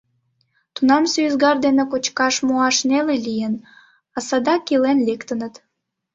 Тунамсе ӱзгар дене кочкаш муаш неле лийын, а садак илен лектыныт.